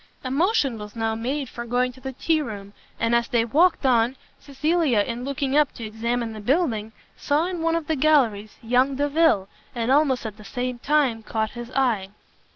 A motion was now made for going to the tea room; and as they walked on, Cecilia, in looking up to examine the building, saw in one of the galleries young Delvile, and almost at the same time caught his eye.